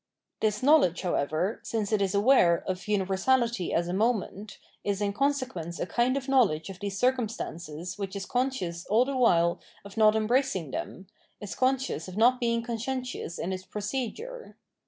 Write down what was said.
This knowledge, however, since it is aware of universality as a moment, is in consequence a kind of knowledge of these circim stances which is conscious aU the while of not embracing 652 Phenomenology of Mind th.em, is conscious of not being conscientious in its pro cedure.